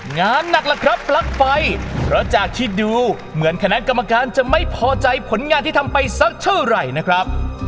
งานหนักล่ะครับปลั๊กไฟเพราะจากที่ดูเหมือนคณะกรรมการจะไม่พอใจผลงานที่ทำไปสักเท่าไหร่นะครับ